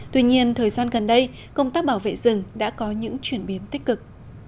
tuy nhiên thời gian gần đây công tác bảo vệ rừng đã có những chuyển biến tích cực